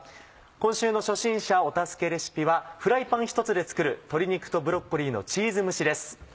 今週の初心者お助けレシピはフライパンひとつで作る「鶏肉とブロッコリーのチーズ蒸し」です。